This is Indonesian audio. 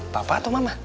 papa atau mama